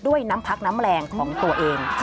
ด้วยน้ำพักน้ำแรงของตัวเอง